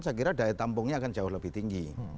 saya kira daya tampungnya akan jauh lebih tinggi